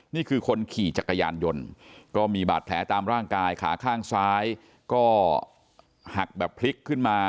นี่คือคนขี่จักรยานยนต์ก็มีบาดแผลตามร่างกายขาข้างซ้ายก็หักแบบพลิกขึ้นมา